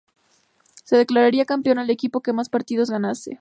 Se declararía campeón al equipo que más partidos ganase.